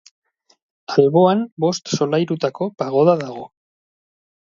Alboan bost solairutako pagoda dago.